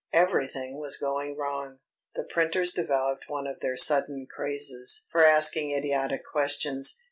Everything was going wrong. The printers developed one of their sudden crazes for asking idiotic questions.